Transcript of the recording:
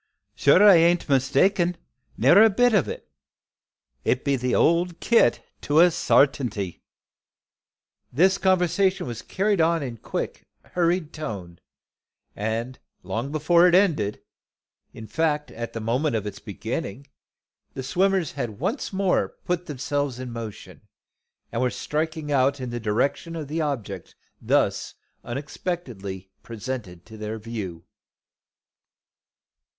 Sure I bean't mistaken, ne'er a bit o' it. It be the old kit to a sartainty." This conversation was carried on in a quick, hurried tone, and long before it ended, in fact at the moment of its beginning, the swimmers had once more put themselves in motion, and were striking out in the direction of the object thus unexpectedly presented to their view.